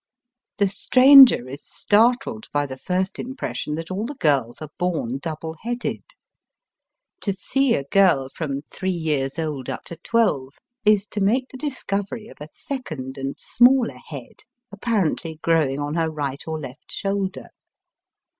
The stranger is startled by the first impression that all the girls are bom double headed. To see a girl from three years old up to twelve is to make the discovery of a second and smaller head apparently growing on her right or left shoulder.